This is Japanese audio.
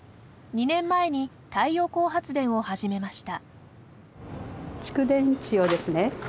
２年前に太陽光発電を始めました。